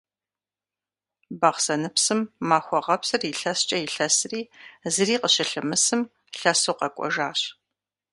Бахъсэныпсым Махуэгъэпсыр илъэскӏэ илъэсри, зыри къыщылъымысым, лъэсу къэкӏуэжащ.